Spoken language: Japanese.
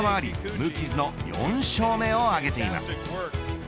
無傷の４勝目を挙げています。